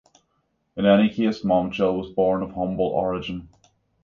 In any case, Momchil was born of humble origin.